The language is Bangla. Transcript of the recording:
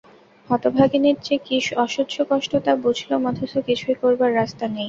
হতভাগিনীর যে কী অসহ্য কষ্ট তা বুঝলুম অথচ কিছুই করবার রাস্তা নেই।